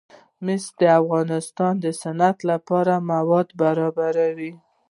مس د افغانستان د صنعت لپاره مواد برابروي.